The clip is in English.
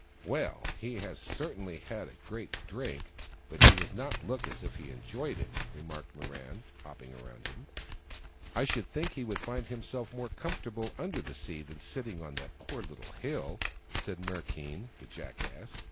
" Well, he has certainly had a great drink, but he does not look as if he had enjoyed it," remarked Mirran, hopping round him. " I should think he would find himself more comfortable under the sea than sitting on that poor little hill !" said Merkein, the Jackass.